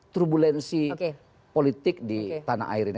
turbulensi politik di tanah air ini